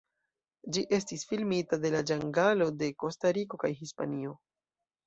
Ĝi estis filmita en la ĝangalo de Kostariko kaj Hispanio.